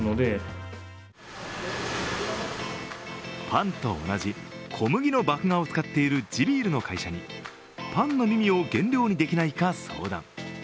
パンと同じ小麦の麦芽を使っている地ビールの会社にパンの耳を原料にできないか相談。